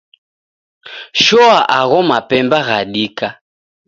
Shoa agho mapemba ghadika.